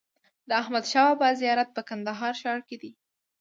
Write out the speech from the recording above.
د احمدشاه بابا زيارت په کندهار ښار کي دئ.